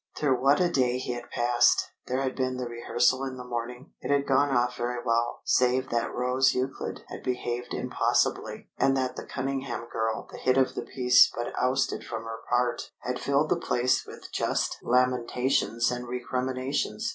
Through what a day he had passed! There had been the rehearsal in the morning; it had gone off very well, save that Rose Euclid had behaved impossibly, and that the Cunningham girl, the hit of the piece but ousted from her part, had filled the place with just lamentations and recriminations.